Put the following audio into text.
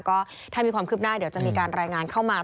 ก็ถ้ามีความคืบหน้าเดี๋ยวจะมีการรายงานเข้ามา